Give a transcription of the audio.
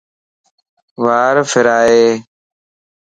وار ڦڙائي.